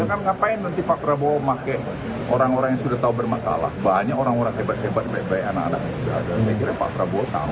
akhirnya pak prabowo sama pandangannya